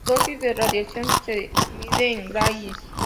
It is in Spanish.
La dosis de radiación se mide en grays.